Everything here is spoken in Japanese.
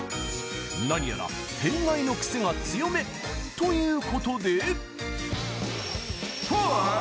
何やら偏愛のクセが強めということで。